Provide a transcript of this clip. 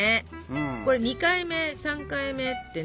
これ２回目３回目ってね